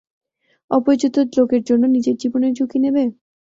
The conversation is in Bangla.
অপরিচিত লোকের জন্যে নিজের জীবনের ঝুঁকি নেবে?